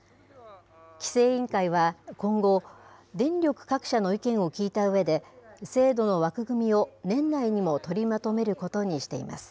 規制委員会は、今後、電力各社の意見を聞いたうえで、制度の枠組みを年内にも取りまとめることにしています。